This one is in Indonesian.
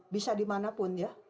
bisa dimanapun ya